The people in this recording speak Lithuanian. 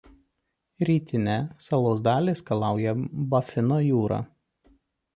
Rytinę salos dalį skalauja Bafino jūra.